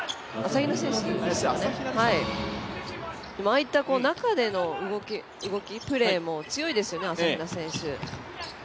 ああいった中でのプレーも強いですよね、朝比奈選手。